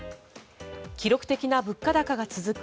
記録的な物価高が続く